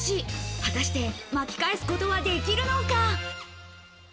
果たして巻き返すことはできるのか？